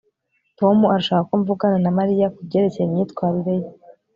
tom arashaka ko mvugana na mariya kubyerekeye imyitwarire ye